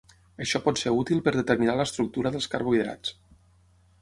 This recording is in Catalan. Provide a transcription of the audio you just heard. Això pot ser útil per determinar l'estructura dels carbohidrats.